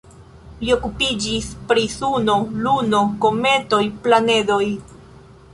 Li okupiĝis pri Suno, Luno, kometoj, planedoj.